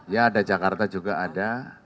ya ada jakarta juga ada